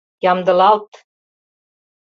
Ямдылалт».